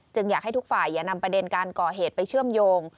อยากให้ทุกฝ่ายอย่านำประเด็นการก่อเหตุไปเชื่อมโยง